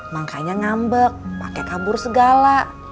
makanya ngambek pakai kabur segala